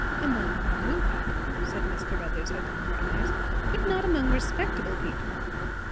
"Among low people," said Miss Caruthers, opening her eyes; "but not among respectable people."